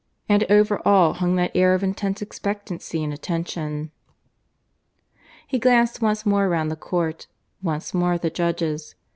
And over all hung that air of intense expectancy and attention. He glanced once more round the court, once more at the judges.